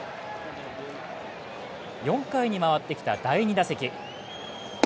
４回に回ってきた第２打席。